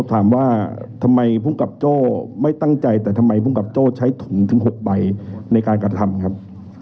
ถามว่าทำไมภูมิกับโจ้ไม่ตั้งใจแต่ทำไมภูมิกับโจ้ใช้ถุงถึง๖ใบในการกระทำครับ